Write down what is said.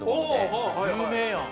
有名やん。